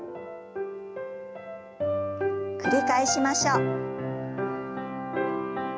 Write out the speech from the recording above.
繰り返しましょう。